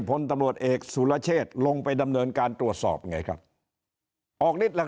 พลตำรวจเอกสุรเชษลงไปดำเนินการตรวจสอบไงครับออกนิดละ